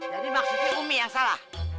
jadi maksudnya umi yang salah